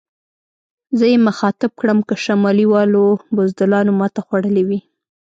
زه یې مخاطب کړم: که شمالي والو بزدلانو ماته خوړلې وي.